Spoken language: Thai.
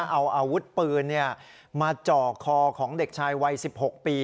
เอาอาวุฒิปืนปุ๋นมาเจาะคอของเด็กชายวัย๑๖ปี